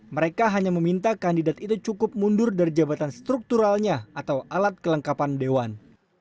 mereka hanya meminta kandidat itu cukup mundur dari jabatan strukturalnya atau alat kelengkapan dewan